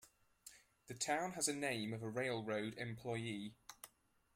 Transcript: The town has the name of a railroad employee.